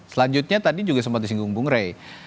selanjutnya tadi juga sempat disinggung bung rey